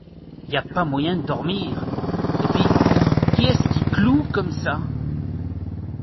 Y a pas moyen de dormir !… et puis, qui est-ce qui cloue comme ça ?